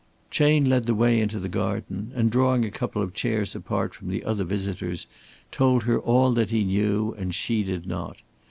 Chayne led the way into the garden, and drawing a couple of chairs apart from the other visitors told her all that he knew and she did not.